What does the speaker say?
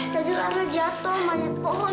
tadi rana jatuh manjat pohon